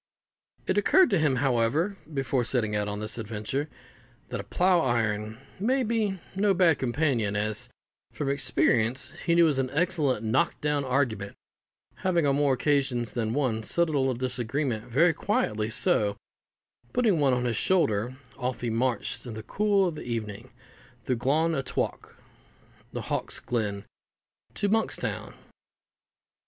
It occurred to him, however, before setting out on this adventure, that a plough iron may be no bad companion, as, from experience, he knew it was an excellent knock down argument, having on more occasions than one settled a little disagreement very quietly: so, putting one on his shoulder, off he marched, in the cool of the evening, through Glaun a Thowk (the Hawk's Glen) to Monkstown.